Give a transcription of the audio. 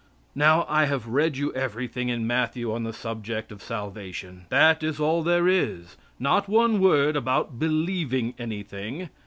Now, I have read you everything in Matthew on the subject of salvation. That is all there is. Not one word about believing anything.